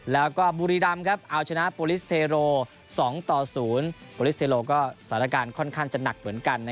แล้วก็บุรีรำเอาชนะโปรลิสเทโร๒ต่อ๐โปรลิสเทโลก็สถานการณ์ค่อนข้างจะหนักเหมือนกัน